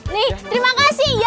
nih terima kasih ya